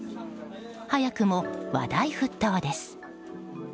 早くも話題沸騰です。